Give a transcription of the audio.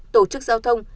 tổ chức giao thông